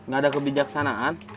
gak ada kebijaksanaan